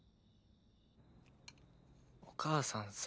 お母さんさ。